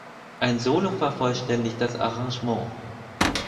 Ein Solo vervollständigt das Arrangement.